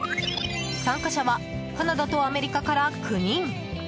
参加者はカナダとアメリカから９人。